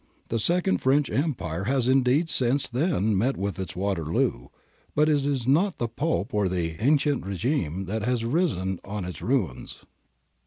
^ The second French Empire has indeed since then met with its Waterloo, but it is not the Pope or the ancien regime that has arisen on its ruins.